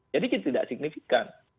jadi itu tidak signifikan